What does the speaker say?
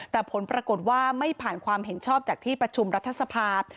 แต่ผลปรากฏว่าไม่ผ่านความเห็นชอบจากที่ประชุมรัฐสภาพ